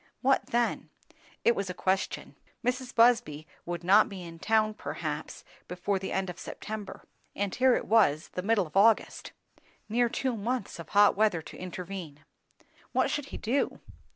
What then? It was a question. Mrs. Busby would not be in town perhaps before the end of September; and here it was the middle of August. Near two months of hot weather to intervene. What should he do?